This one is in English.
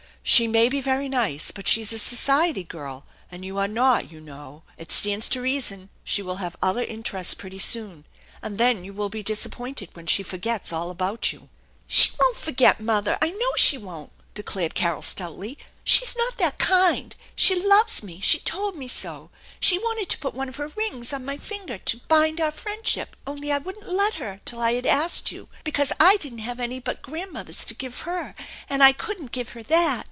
She may be very nice, but she's a society girl, and you are not, you know. It stands to reason she will have other interests pretty soon, and then you will be dis appointed when she forgets all about you." " She won't forget, mother, I know she won't !" declared Carol stoutly. " She's not that kind. She loves me ; she told me so. She wanted to put one of her rings on my finger to ' bind our friendship,' only I wouldn't let her till I had asked you, because I didn't have any but grandmother's to give her, and I couldn't give her that."